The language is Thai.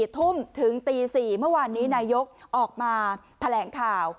ทุ่มถึงตี๔เมื่อวานนี้นายกออกมาแถลงข่าว